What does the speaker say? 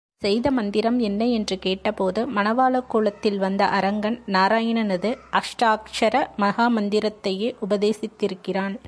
செய்த மந்திரம் என்ன என்று கேட்டபோது, மணவாளக் கோலத்தில் வந்த அரங்கன் நாராயணனது அஷ்டாக்ஷர மகா மந்திரத்தையே உபதேசித்திருக்கிறான்.